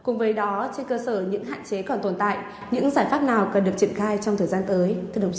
cùng với đó trên cơ sở những hạn chế còn tồn tại những giải pháp nào cần được triển khai trong thời gian tới